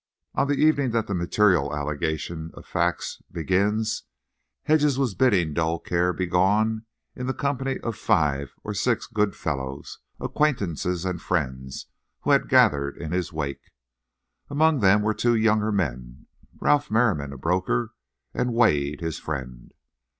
On the evening that the material allegation of facts begins, Hedges was bidding dull care begone in the company of five or six good fellows—acquaintances and friends who had gathered in his wake. Among them were two younger men—Ralph Merriam, a broker, and Wade, his friend.